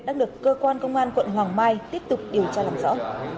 đã được cơ quan công an quận hoàng mai tiếp tục điều tra làm rõ